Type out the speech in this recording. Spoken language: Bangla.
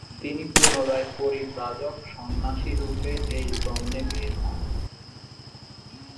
তিনি পুনরায় পরিব্রাজক সন্ন্যাসীরূপে দেশভ্রমণে বের হন।